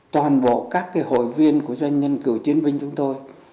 toàn bộ các hội viên của doanh nhân cựu chiến binh chúng tôi